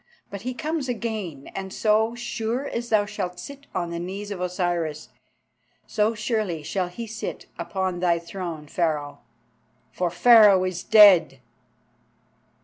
But he comes again, and, so sure as thou shalt sit on the knees of Osiris, so surely shall he sit upon thy throne, Pharaoh. For Pharaoh is dead!"